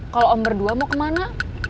kalau om berdua mau kemana